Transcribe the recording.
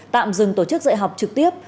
tạm dừng tổ chức dạy học trực tiếp